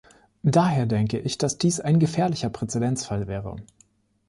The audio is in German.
Daher denke ich, dass dies ein gefährlicher Präzedenzfall wäre.